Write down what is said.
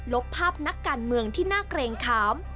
บภาพนักการเมืองที่น่าเกรงขาม